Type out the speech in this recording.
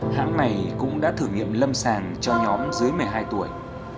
hãng này cũng đã thử nghiệm lâm sàng cho nhóm dưới một mươi hai tuổi